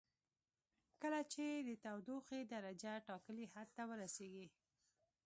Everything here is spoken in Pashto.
کله چې د تودوخې درجه ټاکلي حد ته ورسیږي.